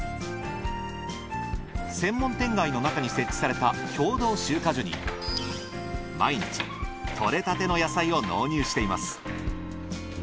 専門店街の中に設置された共同集荷所に毎日採れたての野菜を納入しています。